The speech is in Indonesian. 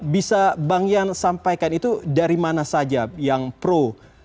bisa bang yan sampaikan itu dari mana saja yang pro